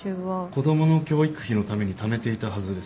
子供の教育費のためにためていたはずです。